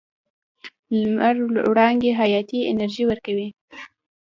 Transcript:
لمر وړانګې حیاتي انرژي ورکوي.